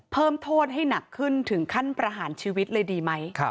เพิ่มโทษให้หนักขึ้นถึงขั้นประหารชีวิตเลยดีไหม